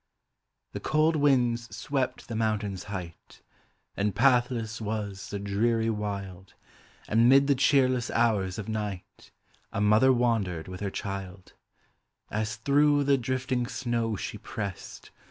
The cold winds swept the mountain's height. Aud pathless was the dreary wild, And mid the cheerless hours of night A mother wandered with her child: As through the drifting snow she pressed.